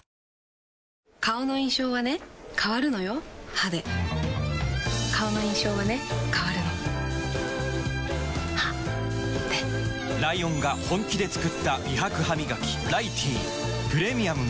歯で顔の印象はね変わるの歯でライオンが本気で作った美白ハミガキ「ライティー」プレミアムも